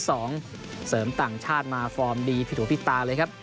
เสริมต่างชาติมาฟอร์มดีผิดหูผิดตาเลยครับ